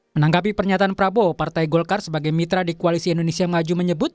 menanggapi pernyataan prabowo partai golkar sebagai mitra di koalisi indonesia maju menyebut